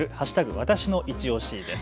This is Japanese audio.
わたしのいちオシです。